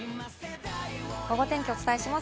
ゴゴ天気お伝えします。